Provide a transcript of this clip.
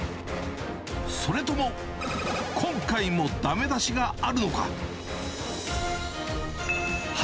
それとも今回もだめ出しがあるのか。